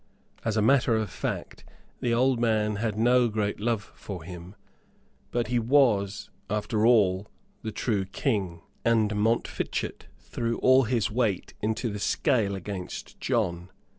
As a matter of fact, the old man had no great love for him, but he was, after all, the true King, and Montfichet threw all his weight into the scale against John.